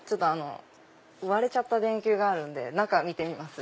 割れちゃった電球があるんで中見てみます？